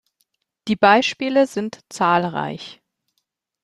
Die Beispiele sind zahlreich.